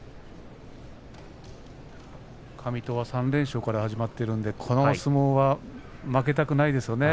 上戸は３連勝から始まっているのでこの相撲は負けたくないですね。